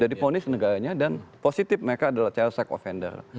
ya diponis negaranya dan positif mereka adalah child sex offender